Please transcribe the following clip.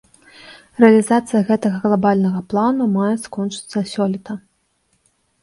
Рэалізацыя гэтага глабальнага плану мае скончыцца сёлета.